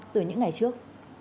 từ những ngày trước